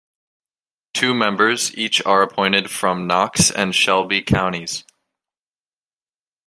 Two members each are appointed from Knox and Shelby counties.